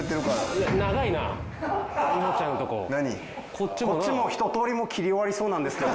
こっちもう一通り切り終わりそうなんですけど。